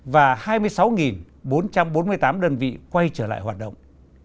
và hai mươi sáu bốn trăm bốn mươi tám đơn vị quay trở lại hoạt động